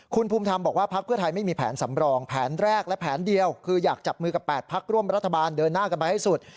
คุณภูมิธรรมบอกว่าพักเพื่อไทยไม่มีแผนสำรองแผนแรกและแผนเดียวคืออยากจับมือกับ๘พักร่วมรัฐบาลเดินหน้ากันไปให้สุด